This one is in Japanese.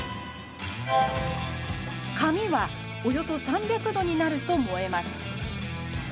紙はおよそ３００度になると燃えます。